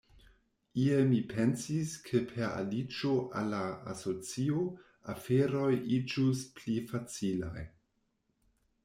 Iel mi pensis ke per aliĝo al la asocio, aferoj iĝus pli facilaj.